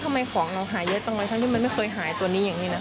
ทำไมของเราหาเยอะจังเลยทั้งที่มันไม่เคยหายตัวนี้อย่างนี้นะ